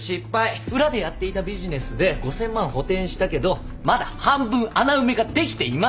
裏でやっていたビジネスで５，０００万補填したけどまだ半分穴埋めができていません！